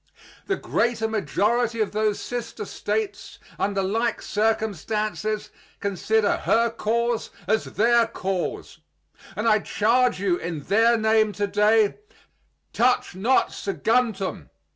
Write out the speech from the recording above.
The greater majority of those sister States, under like circumstances, consider her cause as their cause; and I charge you in their name to day: "Touch not Saguntum."